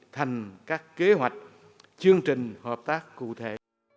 thành các kế hoạch chương trình hợp tác cụ thể